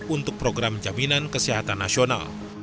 untuk program jaminan kesehatan nasional